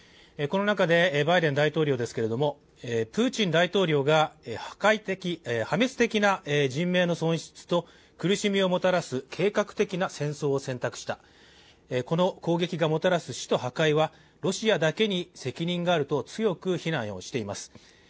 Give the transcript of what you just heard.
この中でバイデン大統領ですけれども、プーチン大統領が破滅的な人命の損失と苦しみをもたらす計画的な戦争を選択した、この攻撃がもたらす首都破壊はロシアだけに責任があると強く非難をしています。